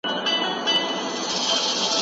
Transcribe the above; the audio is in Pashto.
استاد شاګرد ته د موضوع د ټاکلو حق ورکړ.